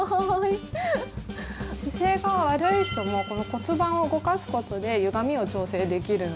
姿勢が悪い人もこの骨盤を動かすことでゆがみを調整できるのでおすすめです。